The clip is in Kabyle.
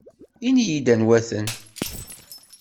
Ini-iyi-d anwa-ten.